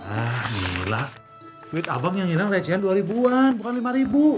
ah gila duit abang yang hilang recehan dua ribuan bukan lima ribu